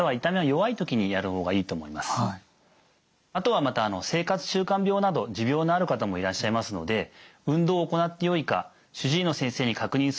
あとはまた生活習慣病など持病のある方もいらっしゃいますので運動を行ってよいか主治医の先生に確認することもお勧めいたします。